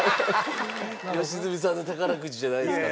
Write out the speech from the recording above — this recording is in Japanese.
良純さんの宝くじじゃないですか？